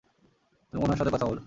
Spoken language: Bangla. তুমি ওনার সাথে কথা বলো।